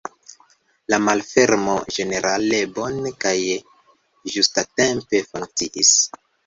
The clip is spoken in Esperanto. La malfermo ĝenerale bone kaj ĝustatempe funkciis.